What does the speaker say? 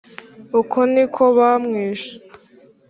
Uko ni ko bamwishe